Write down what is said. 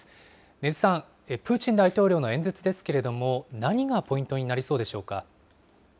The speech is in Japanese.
禰津さん、プーチン大統領の演説ですけれども、何がポイントになりそうでしょうか。